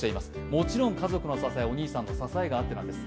もちろん家族の支え、お兄さんの支えがあってこそなんです。